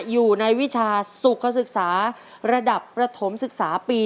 อยู่ในวิชาสุขศึกษาระดับประถมศึกษาปี